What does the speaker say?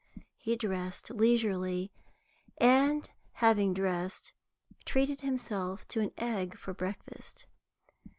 He dressed leisurely, and, having dressed, treated himself to an egg for breakfast.